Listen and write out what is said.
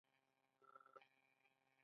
د ملګرو ملتونو ادارې فعالې دي